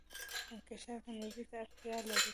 انکشاف انرژي ته اړتیا لري.